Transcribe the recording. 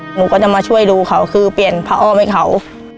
หนูก็จะมาช่วยดูเขาคือเปลี่ยนผ้าอ้อมให้เขา